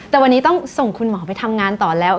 แต่วันนี้ต้องส่งคุณหมอไปทำงานต่อแล้ว